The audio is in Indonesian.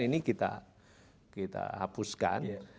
ini kita hapuskan